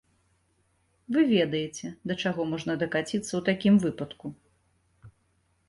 Вы ведаеце, да чаго можна дакаціцца ў такім выпадку.